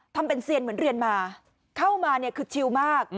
ทำเป็นเซียนเหมือนเรียนมาเข้ามาเนี่ยคือชิวมาก